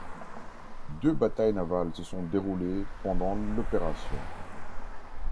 Deux batailles navales se sont déroulées pendant l’opération.